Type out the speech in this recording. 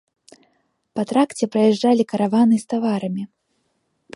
Па тракце праязджалі караваны з таварамі.